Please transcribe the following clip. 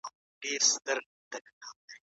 جنین تر ټاکلي پړاو وده کوي.